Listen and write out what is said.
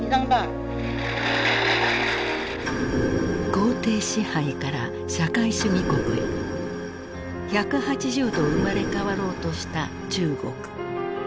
皇帝支配から社会主義国へ１８０度生まれ変わろうとした中国。